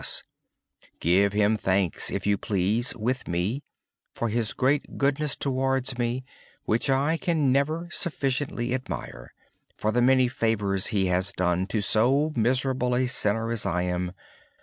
Please give Him thanks with me, for His great goodness towards me, which I can never sufficiently express, and for the many favors He has done to so miserable a sinner as I am.